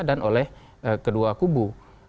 dan oleh kedua kubu